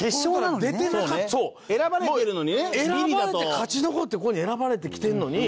選ばれて勝ち残ってここに選ばれて来てるのに。